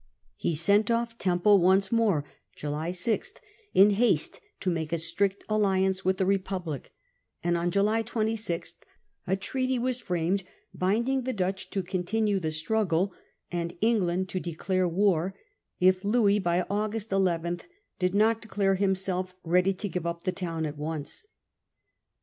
He sent off Temple once more (July 6 ) ii> haste to make a strict alliance with the Republic ; and on July 26 a England^ treaty was framed binding the Dutch to con Republic tinue struggle, and England to declare war, July 26, ' if Louis by August 1 1 did not declare himself ready to give up the towns at once.